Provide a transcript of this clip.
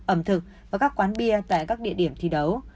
ẩm thực và các quán bia tại các địa điểm thi đấu